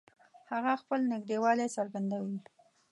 هغه خپل نږدېوالی څرګندوي